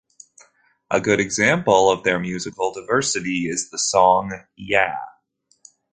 A good example of their musical diversity is the song Ya!